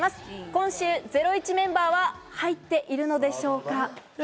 今週『ゼロイチ』メンバーは入っているのでしょうか？